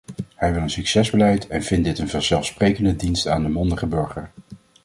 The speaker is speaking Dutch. Hij wil een succesbeleid en vindt dit een vanzelfsprekende dienst aan de mondige burger.